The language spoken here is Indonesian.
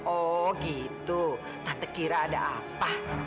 oh gitu tata kira ada apa